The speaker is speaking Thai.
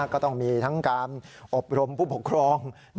ก็ต้องมีทั้งการอบรมผู้ปกครอง